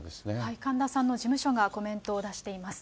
神田さんの事務所がコメントを出しています。